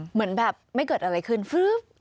เหมือนแบบไม่เกิดอะไรขึ้นเฟื๊บเรียบร้อย